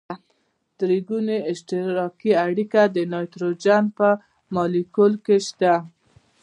درې ګوني اشتراکي اړیکه د نایتروجن په مالیکول کې شته ده.